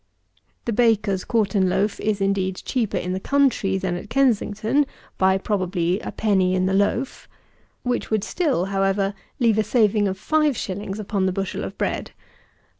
The baker's quartern loaf is indeed cheaper in the country than at Kensington, by, probably, a penny in the loaf; which would still, however, leave a saving of 5_s._ upon the bushel of bread.